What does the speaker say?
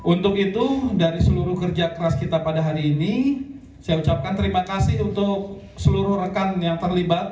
untuk itu dari seluruh kerja keras kita pada hari ini saya ucapkan terima kasih untuk seluruh rekan yang terlibat